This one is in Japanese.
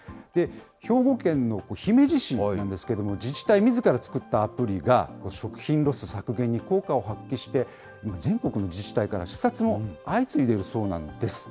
兵庫県の姫路市なんですけれども、自治体みずから作ったアプリが、食品ロス削減に効果を発揮して、今、全国の自治体から視察も相次いでいるそうなんです。